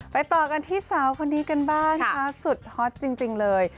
ต่อกันที่สาวคนนี้กันบ้างค่ะสุดฮอตจริงเลย